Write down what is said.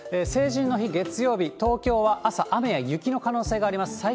成人の日、月曜日、東京は朝雨や雪の可能性があります。